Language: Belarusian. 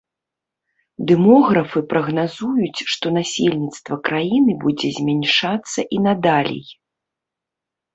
Дэмографы прагназуюць, што насельніцтва краіны будзе змяншацца і надалей.